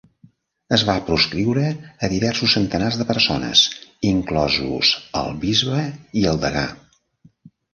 Es va proscriure a diversos centenars de persones, inclosos el bisbe i el degà.